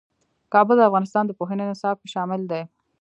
کابل د افغانستان د پوهنې نصاب کې شامل دي.